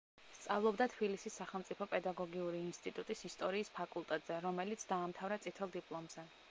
სწავლობდა თბილისის სახელმწიფო პედაგოგიური ინსტიტუტის ისტორიის ფაკულტეტზე რომელიც დაამთავრა წითელ დიპლომზე.